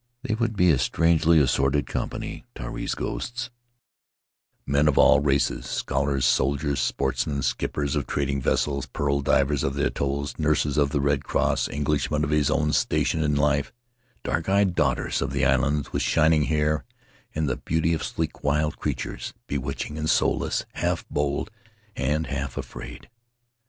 They would be a strangely assorted company, Tari's ghosts: men of all the races, scholars, soldiers, sportsmen, skippers of trading vessels, pearl divers of the atolls, nurses of the Red Cross, Englishwomen of his own station in life, dark eyed daughters of the islands, with shining hair and the beauty of sleek, wild creatures — bewitching and soulless, half bold and half afraid.